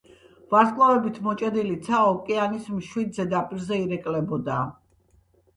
ვარსკვლავებით მოჭედილი ცა ოკეანის მშვიდ ზედაპირზე ირეკლებოდა.